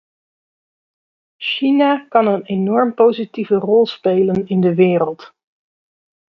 China kan een enorm positieve rol spelen in de wereld.